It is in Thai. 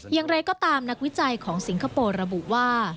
อย่างไรก็ตามนักวิจัยของสิงคโปร์ระบุว่า